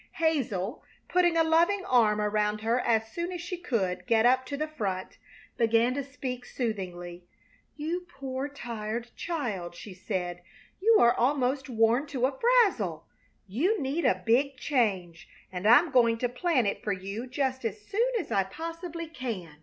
Hazel, putting a loving arm around her as soon as she could get up to the front, began to speak soothingly: "You poor, tired child!" she said; "you are almost worn to a frazzle. You need a big change, and I'm going to plan it for you just as soon as I possibly can.